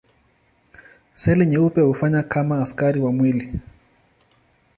Seli nyeupe hufanya kama askari wa mwili.